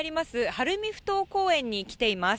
晴海ふ頭公園に来ています。